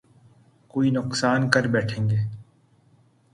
کوئی نقصان کر بیٹھیں گے